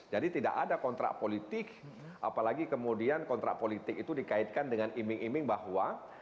jadi tidak ada kontrak politik apalagi kemudian kontrak politik itu dikaitkan dengan iming iming bahwa